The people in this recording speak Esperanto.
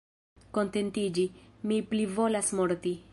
Kontentiĝi! mi plivolas morti.